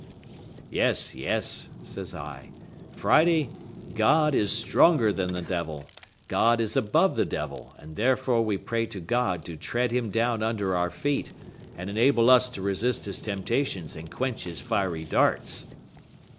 "Yes, yes," says I, "Friday; God is stronger than the devil—God is above the devil, and therefore we pray to God to tread him down under our feet, and enable us to resist his temptations and quench his fiery darts."